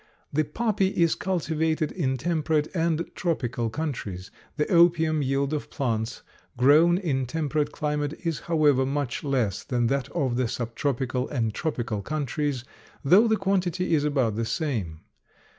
The poppy is cultivated in temperate and tropical countries. The opium yield of plants grown in temperate climates is, however, much less than that of the subtropical and tropical countries, though the quality is about the same.